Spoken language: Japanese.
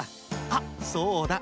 あっそうだ！